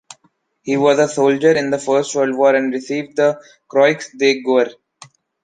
He was a soldier in the first world war and received the Croix de guerre.